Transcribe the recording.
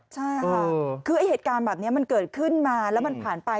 ใช่ค่ะคือไอ้เหตุการณ์แบบนี้มันเกิดขึ้นมาแล้วมันผ่านไป